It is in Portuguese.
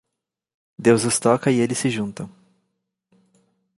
Deus os toca e eles se juntam.